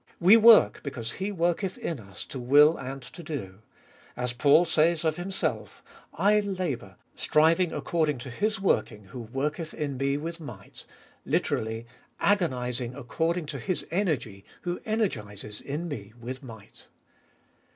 We work, because He worketh in us to will and to do. As Paul says of himself, " I labour, striving according to His working who worketh in me with might " (lit. " agonising according to His energy who energises in me with might